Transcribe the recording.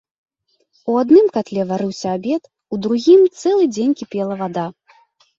У адным катле варыўся абед, у другім цэлы дзень кіпела вада.